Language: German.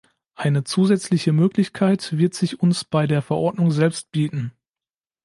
Eine zusätzliche Möglichkeit wird sich uns bei der Verordnung selbst bieten.